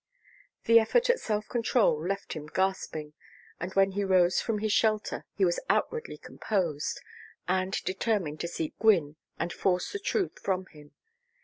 The effort at self control left him gasping, but when he rose from his shelter he was outwardly composed, and determined to seek Gwynne and force the truth from him.